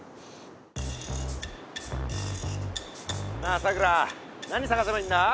なあさくら何さがせばいいんだ？